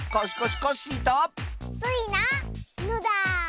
スイなのだ。